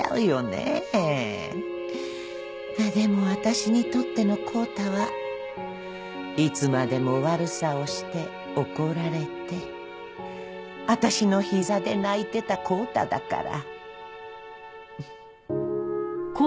でも私にとっての康太はいつまでも悪さをして怒られて私のひざで泣いてた康太だから。